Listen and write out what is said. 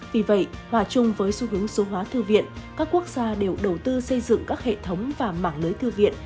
vì vậy hòa chung với xu hướng số hóa thư viện các quốc gia đều đầu tư xây dựng các hệ thống và mảng lưới thư viện